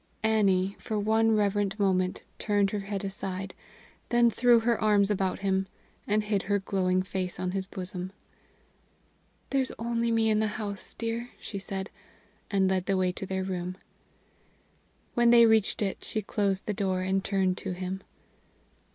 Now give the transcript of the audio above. Annie, for one reverent moment, turned her head aside, then threw her arms about him, and hid her glowing face in his bosom. "There's only me in the house, dear," she said, and led the way to their room. When they reached it, she closed the door, and turned to him.